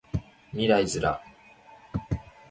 未来ズラ